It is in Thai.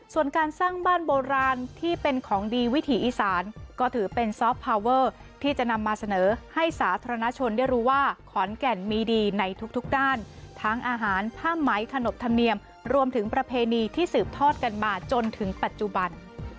ส่วนการสร้างบ้านโบราณที่เป็นของดีวิถีอีสานก็ถือเป็นซอฟต์พาวเวอร์ที่จะนำมาเสนอให้สาธารณชนได้รู้ว่าขอนแก่นมีดีในทุกด้านทั้งอาหารผ้าไหมขนบธรรมเนียมรวมถึงประเพณีที่สืบทอดกันมาจนถึงปัจจุบัน